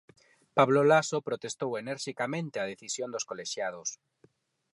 Pablo Laso protestou enerxicamente a decisión dos colexiados.